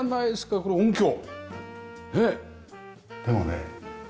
でもね